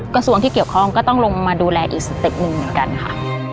กระทรวงที่เกี่ยวข้องก็ต้องลงมาดูแลอีกสเต็ปหนึ่งเหมือนกันค่ะ